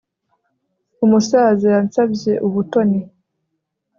Umusaza yansabye ubutoni